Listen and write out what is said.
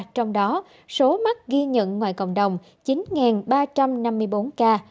trong đó số mắc ghi nhận ngoài cộng đồng chín ba trăm năm mươi bốn ca